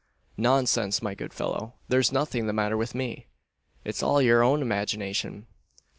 "Nonsense, my good fellow! There's nothing the matter with me. It's all your own imagination."